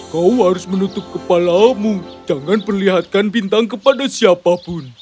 kau harus menutup kepalamu jangan perlihatkan bintang kepada siapapun